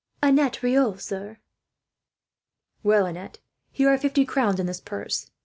"Annette Riolt, sir." "Well, Annette, here are fifty crowns in this purse.